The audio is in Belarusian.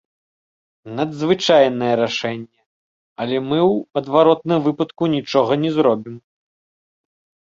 Надзвычайнае рашэнне, але мы ў адваротным выпадку нічога не зробім.